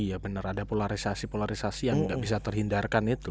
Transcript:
iya benar ada polarisasi polarisasi yang nggak bisa terhindarkan itu